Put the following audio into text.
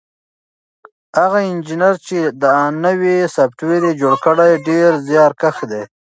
هغه انجنیر چې دا نوی سافټویر یې جوړ کړی ډېر زیارکښ دی.